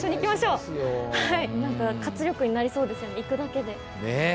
なんか活力になりそうですよね行くだけで。ね。